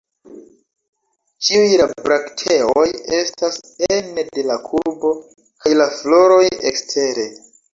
Ĉiuj la brakteoj estas ene de la kurbo, kaj la floroj ekstere.